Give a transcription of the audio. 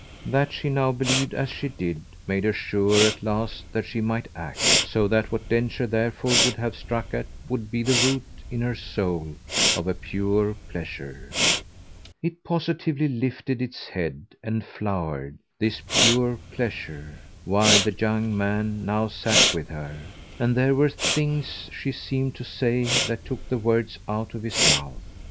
That she now believed as she did made her sure at last that she might act; so that what Densher therefore would have struck at would be the root, in her soul, of a pure pleasure. It positively lifted its head and flowered, this pure pleasure, while the young man now sat with her, and there were things she seemed to say that took the words out of his mouth.